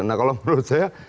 nah kalau menurut saya